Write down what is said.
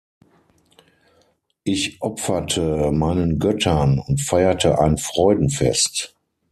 Ich opferte meinen Göttern und feierte ein Freudenfest.